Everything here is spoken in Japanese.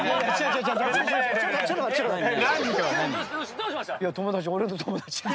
どうしました？